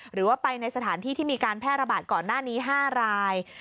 หรือว่าไปในสถานที่ที่มีการแพร่ระบาดก่อนหน้านี้๕ราย